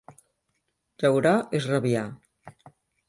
Llaurar és rabiar.